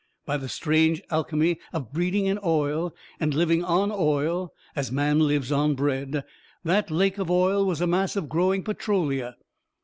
By the strange alchemy of breeding in oil and living on oil as man lives on bread, that lake of oil was a mass of growing Petrolia.